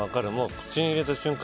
口に入れた瞬間